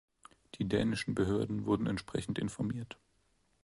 Die dänischen Behörden wurden entsprechend informiert.